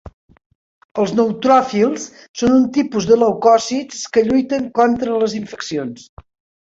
Els neutròfils són un tipus de leucòcits que lluiten contra les infeccions.